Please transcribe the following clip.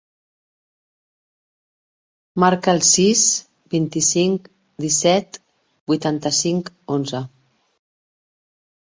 Marca el sis, vint-i-cinc, disset, vuitanta-cinc, onze.